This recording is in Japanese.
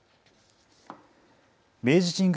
明治神宮